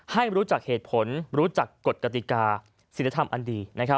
ให้รู้จักเหตุผลรู้จักกฎกติกาศิลธรรมอันดี